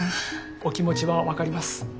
お気持ちは分かります。